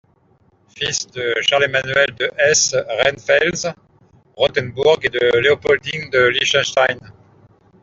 Fils de Charles-Emmanuel de Hesse-Rheinfels-Rotenbourg et de Léopoldine de Liechtenstein.